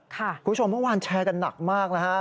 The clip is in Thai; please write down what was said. คุณผู้ชมเมื่อวานแชร์กันหนักมากนะฮะ